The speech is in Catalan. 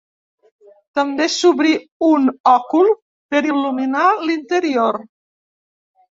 També s'obrí un òcul per il·luminar l'interior.